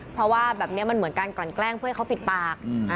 เพราะว่าแบบนี้มันเหมือนการกลั่นแกล้งเพื่อให้เขาปิดปาก